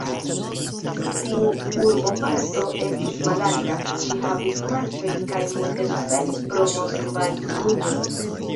Tiu urboparto estas malalta; ĝi havis marĉojn kaj multe suferis pro moskvaj inundoj.